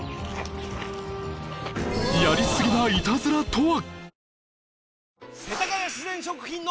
やりすぎなイタズラとは！？